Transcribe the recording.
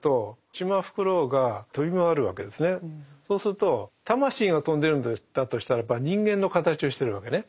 ここでそうすると魂が飛んでるんだとしたらば人間の形をしてるわけね。